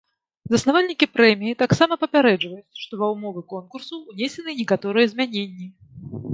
Заснавальнікі прэміі таксама папярэджваюць, што ва ўмовы конкурсу ўнесены некаторыя змяненні.